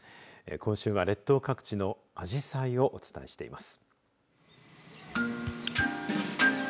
今週は列島各地のあじさいをお伝えしています。